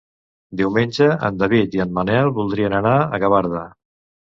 Diumenge en David i en Manel voldrien anar a Gavarda.